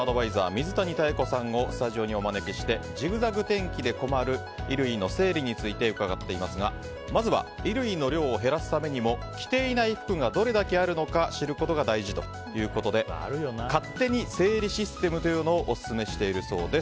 水谷妙子さんをスタジオにお招きしてジグザグ天気で困る衣類の整理について伺っていますがまずは衣類の量を減らすためにも着ていない服がどれだけあるのか知ることが大事ということで勝手に整理システムというのをオススメしているそうです。